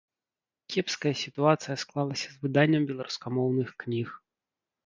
Кепская сітуацыя склалася з выданнем беларускамоўных кніг.